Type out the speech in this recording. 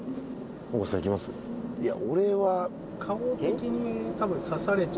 いや俺は。